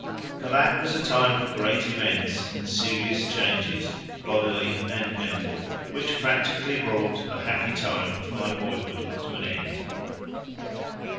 For that was a time of great events and serious changes, bodily and mental, which practically brought the happy time of my boyhood to an end.